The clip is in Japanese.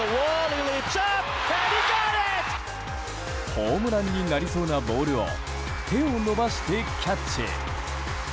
ホームランになりそうなボールを手を伸ばしてキャッチ。